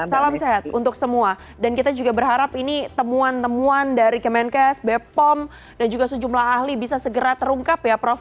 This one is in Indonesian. salam sehat untuk semua dan kita juga berharap ini temuan temuan dari kemenkes bepom dan juga sejumlah ahli bisa segera terungkap ya prof